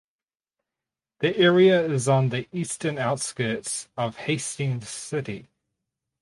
The area is on the eastern outskirts of Hastings city.